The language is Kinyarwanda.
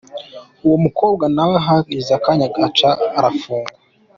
Uwo mukobwa nawe haheze akanya aca arafungwa.